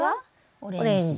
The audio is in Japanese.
オレンジ。